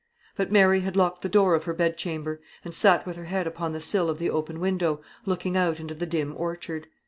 But Mary had locked the door of her bedchamber, and sat with her head upon the sill of the open window, looking out into the dim orchard.